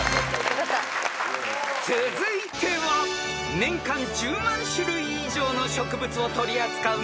［続いては年間１０万種類以上の植物を取り扱う人気店］